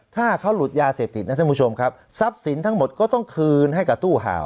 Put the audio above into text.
ถ้าเขาหลุดยาเสพติดนะท่านผู้ชมครับทรัพย์สินทั้งหมดก็ต้องคืนให้กับตู้ห่าว